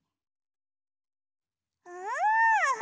うん！